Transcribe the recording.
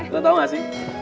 lo tau gak sih